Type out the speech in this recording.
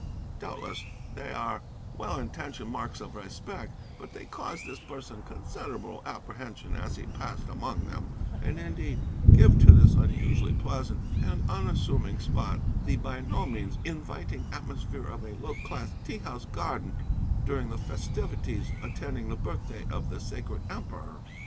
Doubtless they are well intentioned marks of respect, but they caused this person considerable apprehension as he passed among them, and, indeed, give to this unusually pleasant and unassuming spot the by no means inviting atmosphere of a low class tea house garden during the festivities attending the birthday of the sacred Emperor.